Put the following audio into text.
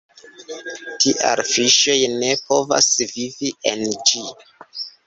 Tial fiŝoj ne povas vivi en ĝi.